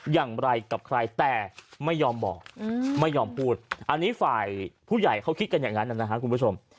อย่างไรกับใครแต่ไม่ยอมบอกไม่ยอมพูดอันนี้ฝ่ายผู้ใหญ่เขาคิดกันอย่างนั้นนะครับคุณผู้ชม